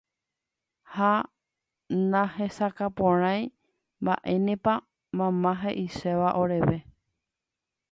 Ha nahesakãporãi mba'énepa mama he'iséva oréve.